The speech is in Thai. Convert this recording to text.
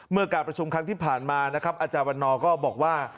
เมื่อการประชุมครั้งที่ผ่านมานะครับอาจารย์วันนอร์ก็บอกว่า